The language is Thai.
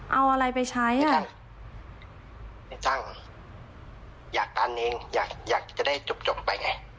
เอาอะไรไปใช้อยากตันเองอยากอยากจะได้จบจบไปไง